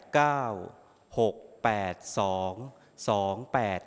กัน